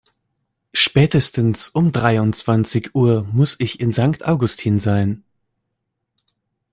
Spätestens um dreiundzwanzig Uhr muss ich in Sankt Augustin sein.